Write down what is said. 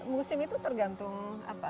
musim itu tergantung apa